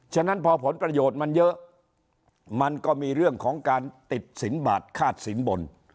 ฉะนั้นพอผลประโยชน์มันเยอะมันก็มีเรื่องของการติดสินบาทคาดสินบน